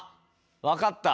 分かった！